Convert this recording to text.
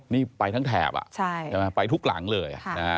นี่ไปทั้งแถบไปทุกหลังเลย